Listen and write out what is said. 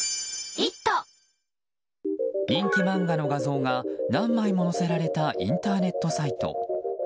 人気漫画の画像が何枚も載せられたインターネットサイト。